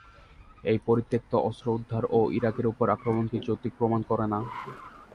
এই পরিত্যক্ত অস্ত্র উদ্ধার ও ইরাকের উপর আক্রমণ কে যৌক্তিক প্রমাণ করে না।